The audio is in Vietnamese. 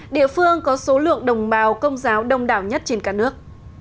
địa phương có số lượng đồng bào công giáo đông đảo nhất trên cả nước